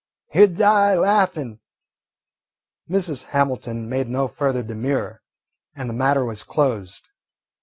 You 'd die laughing." Mrs. Hamilton made no further demur, and the matter was closed.